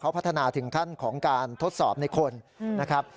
พัฒนาถึงขั้นของการทดสอบในคนนะครับ